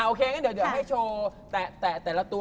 อ่าโอเคอย่างนั้นเดี๋ยวให้โชว์แต่ละตัว